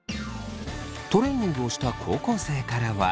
トレーニングをした高校生からは。